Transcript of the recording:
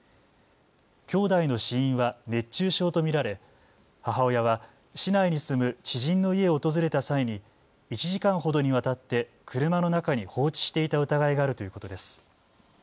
きょうだいの死因は熱中症と見られ、母親は市内に住む知人の家を訪れた際に１時間ほどにわたって車の中に放置していた疑いがあるということです。